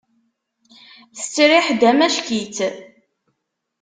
Tettriḥ-d amack-itt.